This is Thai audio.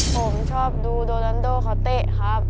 ผมชอบดูโดรันโดเขาเตะครับ